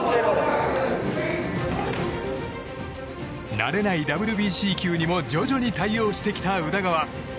慣れないＷＢＣ球にも徐々に対応してきた宇田川。